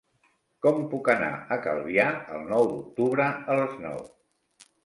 Com puc anar a Calvià el nou d'octubre a les nou?